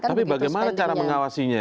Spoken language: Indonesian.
tapi bagaimana cara mengawasinya